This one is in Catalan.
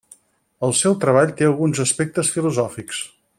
El seu treball té alguns aspectes filosòfics.